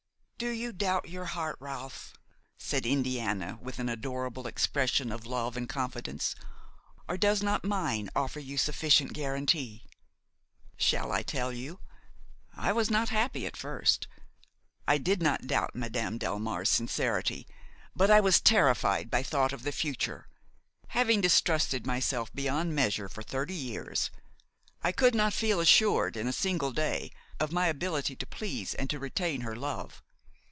"'Do you doubt your heart, Ralph?' said Indiana with an adorable expression of love and confidence, 'or does not mine offer you sufficient guarantee?' "Shall I tell you? I was not happy at first. I did not doubt Madame Delmare's sincerity, but I was terrified by thought of the future. Having distrusted myself beyond measure for thirty years, I could not feel assured in a single day of my ability to please and to retain her love.